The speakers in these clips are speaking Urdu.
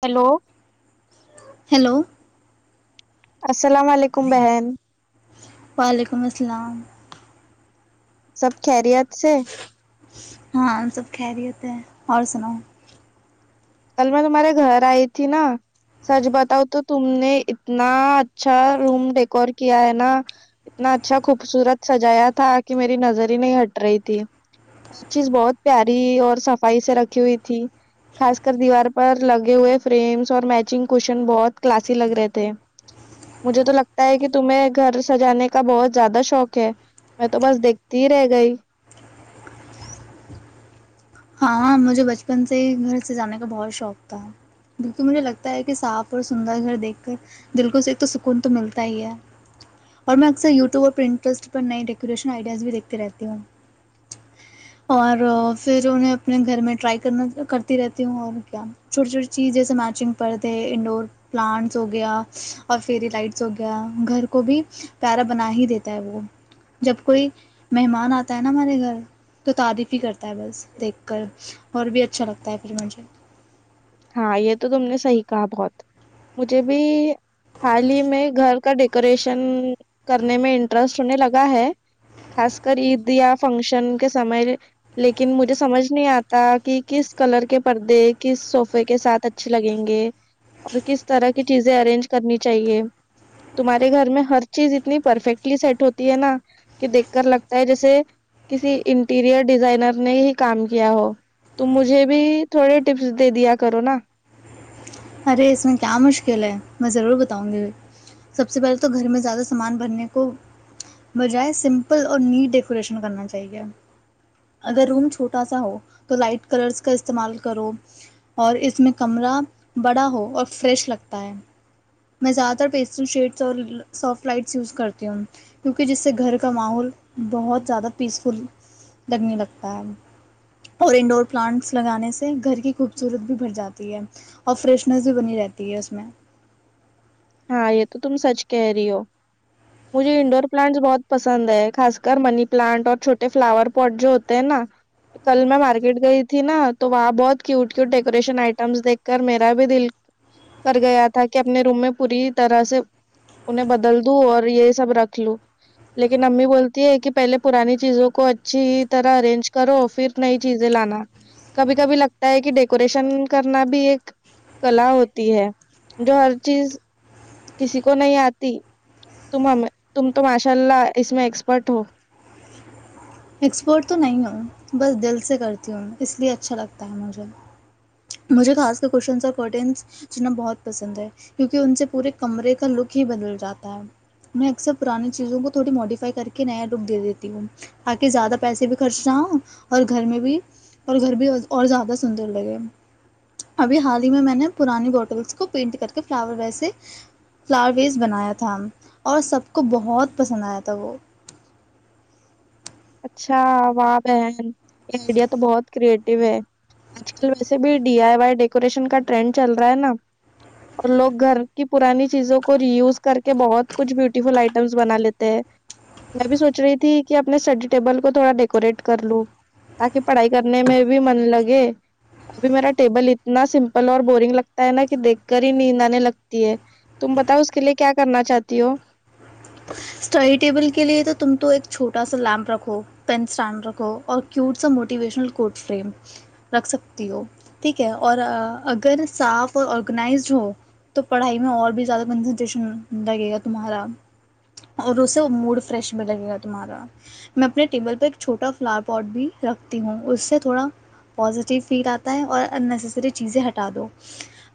ہیلو ہیلو السلام علیکم بہن وعلیکم السلام سب خیریت سے ہاں ہم سب کہہریی ہوتے ہیں اور سناو کل میں تمہارے گھر آئی تھی نا سچ بتاؤ تو تم نے اتنا اچھا روم ڈیکورٹ کیا ہے نا اتنا اچھا خوبصورت سجایا تھا کہ میری نظر ہی نہیں ہٹ رہی تھی ایک چیز بہت پیاری اور صفائی سے رکھی ہوئی تھی خاص دیوار پر لگے ہوئے فریمس اور میچنگ کوشن بہت کلاسی لگ رہے تھے مجھے تو لگتا ہے کہ تمہیں گھر سجانے کا بہت زیادہ شوق ہے میں تو بس دیکھتی ہی رہ گئی ہاں مجھے بچپن سے ہی گھر سے جانے کا بہت شوق تھا کیونکہ مجھے لگتا ہے کہ صاف اور سندر گھر دیکھ کر دل کو سے ایک تو سکون تو ملتا ہی ہے اور میں اکثر یوٹیوب اور پرنٹسٹ پر نئی ڈیکوریشن آئیڈیاز بھی دیکھتی رہتی ہوں اور پھر انہیں اپنے گھر میں ٹرائی کرنا کرتی رہتی ہوں اور کیا چھوٹی چھوٹی چیز جیسے میچنگ پردے انڈور پلانٹس ہو گیا اور فیری لائٹس ہو گیا گھر کو بھی پیارا بنا ہی دیتا ہے وہ جب کوئی مہمان آتا ہے نا ہمارے گھر تو تعریف ہی کرتا ہے بس دیکھ اور بھی اچھا لگتا ہے پھر مجھے ہاں یہ تو تم نے صحیح کہا بہت مجھے بھی حال ہی میں گھر کا ڈیکوریشن کرنے میں انٹرسٹ ہونے لگا ہے خاص کر عید یا فنکشن کے سمے لیکن مجھے سمجھ نہیں آتا کہ کس کلر کے پردے کس ے کے ساتھ اچھے لگیں گے اور کس طرح کی چیزیں ارینج کرنی چاہیے تمہارے گھر میں ہر چیز اتنی پرفیکٹلی سیٹ ہوتی ہے نا کہ دیکھ کر لگتا ہے جیسے کسی انٹیریئر ڈیزائنر نے ہی کام کیا ہو ت مجھے بھی تھوڑے ٹیپس دے دیا کرو ن ارے اس میں کیا مشکل ہے میں ضرور بتاؤں گی سب سے پہلے تو گھر میں زیادہ سامان بھرنے کو بجائے سمپل اور نیٹ ڈیکوریشن کرنا چاہیے اگر روم چھوٹا سا ہو تو لائٹ کلرس کا استعمال کرو اور اس میں کمرہ بڑا ہو اور فریش لگتا ہے میں زیادہ تر پیسٹل شیڈس اور سافٹ لائٹس یوز کرتی ہوں کیونکہ جس سے گھر کا ماحول بہت زیادہ پیس فل لگنے لگتا ہے اور انڈور پلانٹس لگانے سے گھر کی خوبصورت بھی بھرھ جاتی ہے اور فریشنس بھی بنی رہتی ہے اس میں ہاں یہ تو تم سچ کہہ رہی ہو مجھے انڈور پلانٹس بہت پسند ہے خاص کر منی پلانٹ اور چھوٹے فلاور پوٹ جو ہوتے ہیں نا کل میں مارکیٹ گئی تھی نا تو وہاں بہت کیوٹ کیٹ ڈیکوریشن آئٹمس دیکھ کر میرا بھی دل کر گیا تھا کہ اپنے روم میں پوری طرح سے انہیں بدل دوں اور یہ سب رکھ لوں لیکن امی بولتی ہے کہ پہلے پرانی چیزوں کو اچھی طرح ارینج کرو پھر نئی چیزیں لانا کبھی کبھی لگتا ہے کہ ڈیکوریشن کرنا بھی ایک کلا ہوتی ہے جو ہر چیز کسی کو نہیں آتی تم تم تو ماشاء اللہ اس میں ایکسپرٹ ہو ایکسپرٹ تو نہیں ہوں بس دل سے کرتی ہوں اس لیے اچھا لگتا ہے مجھے مجھے خا کرن اورٹن جنا بہت پسند ہے کیونکہ ان سے پورے کمرے کا لک ہی بدل جاتا ہے میں اکثر پرانی چیزوں کو تھوڑی موڈیفائی کر کے نیا لک دے دیتی ہوں تاکہ زیادہ پیسے بھی خرچ نہ ہوں اور گھر میں بھی اور گھر بھی اور زیادہ سندر لگے ابھی حال ہی میں میں نے پرانی بوٹلس کو پینٹ کر کے فلاور ویسے فلاور ویس بنایا تھا اور سب کو بہت پسند آیا تھا وہ [unintelligible] اچھااہ بہن یہ آئیڈیا تو بہت کریئٹو ہے آج کل ویسے بھی ڈی آئی وائی ڈیکوریشن کا ٹرینڈ چل رہا ہے نا اور لوگ گھر کی پرانی چیزوں کو ری یوز کر کے بہت کچھ بیوٹیفل آئٹمس بنا لیتے ہیں میں بھی سوچ رہی تھی کہ اپنے ٹیبل کو تھوڑا ڈیکوریٹ کر لوں تاکہ پڑھائی کرنے میں بھی من لگے ابھی میرا ٹیبل اتنا سمپل اور بورنگ لگتا ہے نا کہ دیکھ کر ہی نیند آنے لگتی ہے تم بتاؤ اس کے لیے کیا کرنا چاہتی ہو [unintelligible] اسٹڈی ٹیبل کے لیے تو تم تو ایک چھوٹا سا لیمپ رکھو پین اسٹینڈ رکھو اور کیوٹ سا موٹیویشنل کوڈ فریم رکھ سکتی ہو ٹھیک ہے اور اگر صاف اور آرگنائزڈ ہو تو پڑھائی میں اور بھی زیادہ کنسنٹریشن لگے گا تمہارا اور اسے موڈ فریش بھی لگے گا تمہارا میں اپنے ٹیبل پہ ایک چھوٹا فلور پاٹ بھی رکھتی ہوں اس سے تھوڑا پزیٹیو فیل آتا ہے اور اننیسری چیزیں ہٹا دو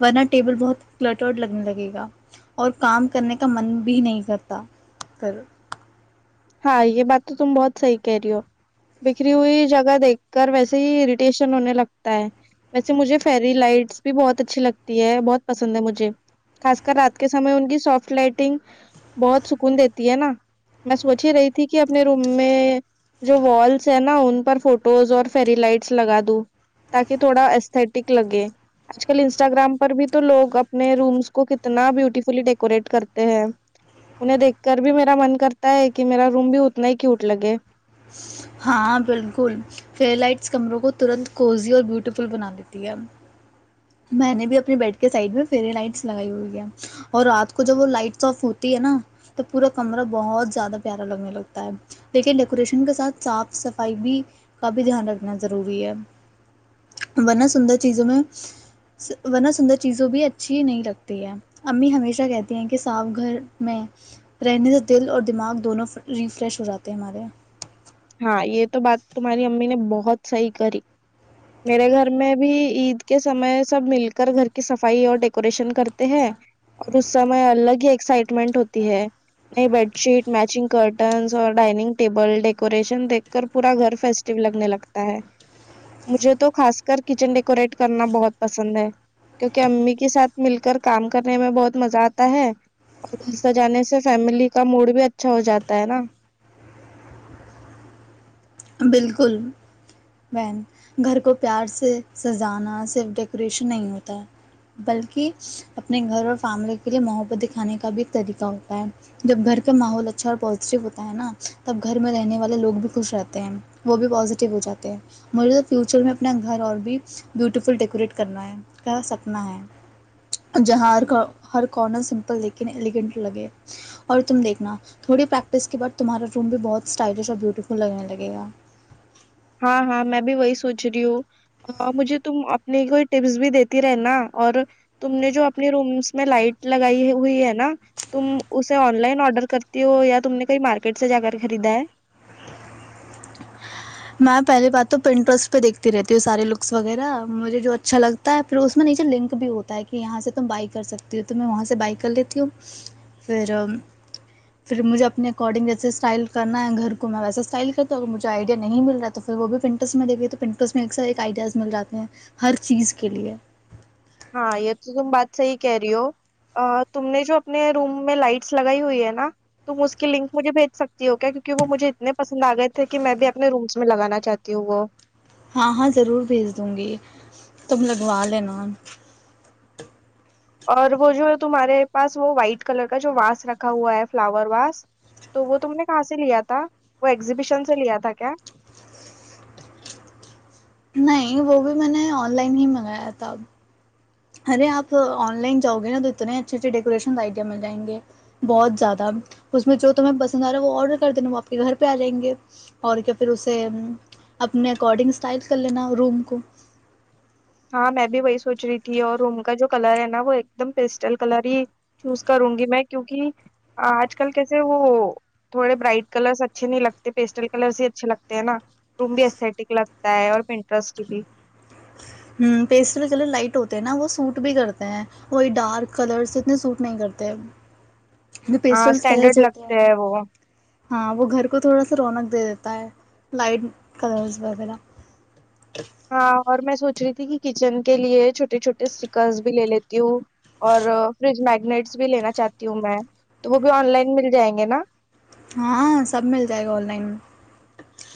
ورنہ ٹیبل بہت کلٹ لگنے لگے گا اور کام کرنے کا من بھی نہیں کرتا پ [unintelligible] ہاں یہ بات تو تم بہت صحیح کہہ رہی ہو بکھری ہوئی جگہ دیکھ کر ویسے ہی اریٹیشن ہونے لگتا ہے ویسے مجھے فیری لائٹس بھی بہت اچھی لگتی ہے بہت پسند ہے مجھے خاص کر رات کے سمے ان کی سافٹ لائٹنگ بہت سکون دیتی ہے نا میں سو [unintelligible] اچھی رہی تھی کہ اپنے روم میں جو والس ہے نا ان پر فوٹوز اور فری لائٹس لگا دوں تاکہ تھوڑا استٹک لگے آج کل انسٹاگرام پر بھی تو لوگ اپنے رومس کو کتنا بیوٹیفلی ڈیکوریٹ کرتے ہیں انہیں دیکھ کر بھی میرا من کرتا ہے کہ میرا روم بھی اتنا ہی کی اوٹ لگے ہاں بالکل فے لائٹس کمروں کو ترنت کوزی اور بیوٹیفل بنا دیتی ہے میں نے بھی اپنے بیڈ کے سائڈ میں فری لائٹس لگائی ہوئی ہے اور رات کو جب وہ لائٹس آف ہوتی ہے نا تو پورا کمرہ بہت زیادہ پیارا لگنے لگتا ہے لیکن ڈیکوریشن کے ساتھ صاف صفائی بھی کا بھی دھیان رکھنا ضروری ہے ورنہ سندر چیزوں میں ورنہ سندر چیزوں بھی اچھی نہیں لگتی ہے امی ہمیشہ کہتی ہیں کہ ساف گھر میں رہنے سے دل اور دماغ دونوں ریفریش ہو جاتے ہیں ہمارے ہاں یہ تو بات تمہاری امی نے بہت صحیح کری میرے گھر میں بھی عید کے سمے سب مل کر گھر کی صفائی اور ڈیکوریشن کرتے ہیں اور اس سمے الگ ہی ایکسائٹمنٹ ہوتی ہے نئی بیڈ شیٹ میچنگ کرٹنس اور ڈائننگ ٹیبل ڈیکوریشن دیکھ کر پورا گھر فیسٹ لگنے لگتا ہے مجھے تو خاص کر کچن ڈیکوریٹ کرنا بہت پسند ہے کیونکہ امی کے ساتھ مل کر کام کرنے میں بہت مزہ آتا ہے اور دل سے جانے سے فیملی کا موڈ بھی اچھا ہو جاتا ہے نا [unintelligible] بالکل وین گھر کو پیار سے سزانا صرف ڈیکوریشن نہیں ہوتا ہے بلکہ اپنے گھر اور فیملی کے لیے محبت دکھانے کا بھی ایک طریقہ ہوتا ہے جب گھر کا ماحول اچھا اور پوازیٹیو ہوتا ہے نا تب گھر میں رہنے والے لوگ بھی خوش رہتے [unintelligible] وہ بھی پازیٹیو ہو جاتے ہیں مجھے فیوچر میں اپنا گھر اور بھی بیوٹیفل ڈیکوریٹ کرنا ہے کر سکنا ہے جہاں ہر کارنر سمپل دیکھ ایلیگنٹ لگے اور تم دیکھنا تھوڑی پریکٹس کے بعد تمہارا روم بھی بہت اسٹائلش اور بیوٹیفل لگنے لگے گ گ [unintelligible] [inaudible] ہاں ہاں میں بھی وہی سوچ رہی ہوں مجھے تم اپنی کوئی ٹپس بھی دیتی رہے نا اور تم نے جو اپنی رومس میں لائٹ لگائی ہوئی ہے نا تم اسے آن لائن آڈر کرتی ہو یا تم نے کہئی مارکیٹ سے جا کر خریدا ہے میں پہلی بات تو پرنٹسٹ پہ دیکھتی رہتی ہوں سارے لکس وغیرہ مجھے جو اچھا لگتا ہے پھر اس میں نیچے لنک بھی ہوتا ہے کہ یہاں سے تم بائی کر سکتی ہو تو میں وہاں سے بائی کر لیتی ہوں پھر پھر مجھے اپنے اکارڈنگ جیسے اسٹائل کرنا ہے گھر کو میں ویسا اسٹائل کرتی ہوں ا مجھے نہیں مل رہا تو پھر وہ بھی پرنٹس میں لے گ تو پرنٹس میں ایک سا ایک آئیڈیاز مل جاتے ہیں ہر چیز کے لیے ہاں یہ تو تم بات صحی کہہ رہی ہو تم نے جو اپنے روم میں لائٹس لگائی ہوئی ہے نا تم اس کی لنک مجھے بھیج سکتی ہو کیا کیکہ وہ مجھے اتنے پسند آ گئے تھے کہ میں بھی اپنے رومس میں لگانا چاہتی ہوں وہ ہاں ہاں ضرور بھیج دوں گی تم لگوا لینا اور وہ جو ہے تمہارے پاس وہ وائٹ کلر کا جو واس رکھا ہوا ہے فلاور واس تو وہ تم نے کہاں سے لیا تھا وہ ایگزیبیشن سے لیا تھا کیا نہیں وہ بھی میں نے آن لائن ہی منگایا تھا اب [unintelligible] ہ میں بھی وہی سوچ رہی تھی اور روم کا جو کلر ہے نا وہ ایک دم پیسٹل کلر ہی چوز کروں گی میں کیوں کہ آج کل کیسے وہ تھوڑے برائٹ کلرس اچھے نہیں لگتے پیسٹل کلرس ہی اچھے لگتے ہیں نا روم بھی اسٹک لگتا ہے اور پٹرس بھی [unintelligible] ہ پیسٹل کلر لائٹ ہوتے ہیں نا وہ سوٹ بھی کرتے ہیں وہی ڈارک کلر سے اتنے سوٹ نہیں کرتے جو ہاں پیسٹلر اسٹینڈرڈ ہوتے ہیں لگتے ہے وہ ہاں وہ گھر کو تھوڑا سا رونق دے دیتا ہے لائٹ کلرز وغیرہ ہاں اور میں سوچ رہی تھی کہ کچن کے لیے چھوٹے چھوٹے اسٹکرس بھی لے لیتی ہوں اور فریج میگنیٹس بھی لینا چاہتی ہوں میں تو وہ بھی آن لائن مل جائیں گے نا [unintelligible] ہاں سب مل جائے گا آن لائن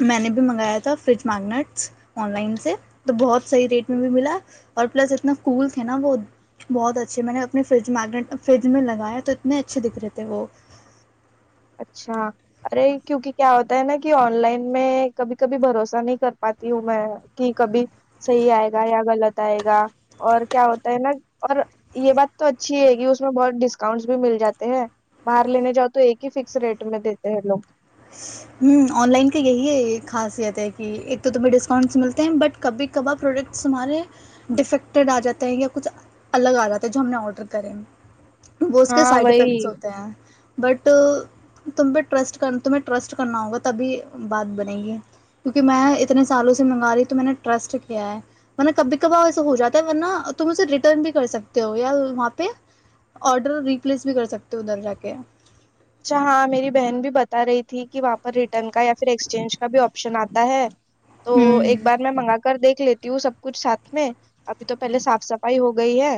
میں نے بھی منگایا تھا فریج میگنیٹس آن لائن سے تو بہت صحیح ریٹ میں بھی ملا اور پلس اتنا کول تھے نا وہ بہت اچھے میں نے اپنے فریج میگنیٹ فریج میں لگایا تو اتنے اچھے دکھ رہے تھے وہ اچھا ارے کیوںکہ کیا ہوتا ہے نا کہ آن لائن میں کبھی کبھی بھروسہ نہیں کر پاتی ہوں میں کہ کبھی صحیح آئے گا یا غلط آئے گا اور کیا ہوتا ہے نا اور یہ بات تو اچھی ہے گ اس میں بہت ڈسکاؤنٹس بھی مل جاتے ہیں باہر لینے جاؤ تو ایک ہی فکر ریٹ میں دیتے ہیں لوگ ہوں آن لائن کا یہی خاصیت ہے کہ ایک تو تمہیں ڈسکاؤنٹس ملتے ہیں بٹ کبھی کبھار پروڈکٹس ہمارے ڈیفیکٹیڈ آ جاتے ہیں یا کچھ الگ آ جاتا ہے جو ہم نے آڈر کرے ہیں وہ اس کے ہاں سائڈ افیکٹس وہی ہوتے ہیں بٹ تم ٹرسٹ کن ت ٹرسٹ کرنا ہوگا تبھی بات بنے گی کیونکہ میں اتنے سالوں سے منگا رہی تو میں نے ٹرسٹ کیا ہے ورنہ کبھی کبھی ایسا ہو جاتا ہے ورنہ تم اسے ریٹرن بھی کر سکتے ہو یا وہاں پہ آڈر ریپلیس بھی کر سکتے ہو ادھر جا کے اچھا ہاں میری بہن بھی بتا رہی تھی کہ وہاں پر ریٹرن کا یا پھر ایکسچینج کا بھی آپشن آتا ہے تو ہوں ایک بار میں منگا کر دیکھ لیتی ہوں سب کچھ ساتھ میں ابھی تو پہلے صاف صفائی ہو گئی ہے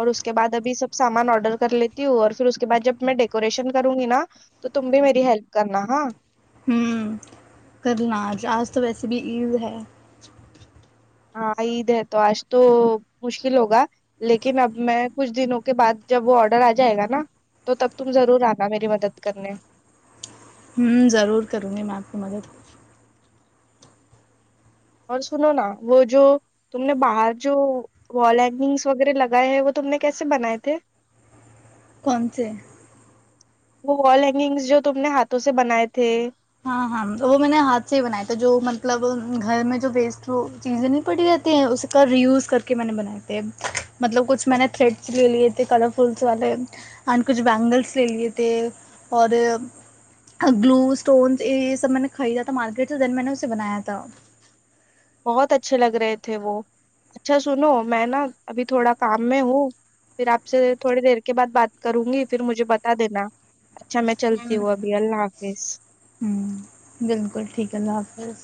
اور اس کے بعد ابھی سب سامان آڈر کر لیتی ہوں اور پھر اس کے بعد جب میں ڈیکوریشن [unintelligible] کروں گی نا تو تم بھی میری ہیلپ کرنا ہاں ہوں کرناج آج تو ویسے بھی عید ہے ہاں عید ہے تو آج تو مشکل ہوگا لیکن اب میں کچھ دنوں کے بعد جب وہ آرڈر آ جائے گا نا تو تب تم ضرور آنا میری مدد کرنے ہوں ضرور کروں گی میں آپ کی مدد اور سنو نا وہ جو تم نے باہر جو وال ہینگنگس وغیرہ لگائے ہیں وہ تم نے کیسے بنائے تھے کون سےے وہ وال ہینگنگس جو تم نے ہاتھوں سے بنائے تھے ہاں ہاں وہ میں نے ہاتھ سے ہی بناائے تھا جو مطلب گھر میں جو بیسٹ چیزیں نہیں پڑی رہتی ہیں اس کا ری وز کر کے میں نے بنائے تھے مطلب کچھ میں نے تھریڈس لے لیے تھے کلرفلس والے اینڈ کچھ بینگلس لے لیے تھے اور گلوس اسٹونس یہ سب میں نے خریدا تھا مارکیٹ سے دین میں نے اسے بنایا تھا بہت اچھے لگ رہے تھے وہ اچھا سنو میں نا ابھی تھوڑا کام میں ہوں پھر آپ سے تھوڑی دیر کے بعد بات کروں گی پھر مجھے بتا دینا اچھا میں چلتی ہوں ابھی اللہ حفظ جیس ہوں بالکل ٹھیک ہے اللہ حافظ